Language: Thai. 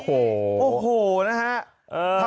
โอ้โหโอ้โหนะฮะ